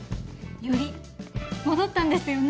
ヨリ戻ったんですよね